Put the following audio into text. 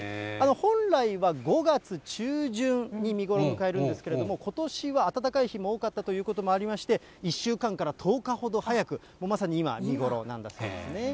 本来は５月中旬に見頃を迎えるんですけれども、ことしは暖かい日も多かったということもありまして、１週間から１０日ほど早く、もうまさに今、見頃なんだそうですね。